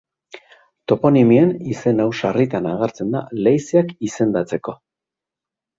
Toponimian izen hau sarritan agertzen da leizeak izendatzeko.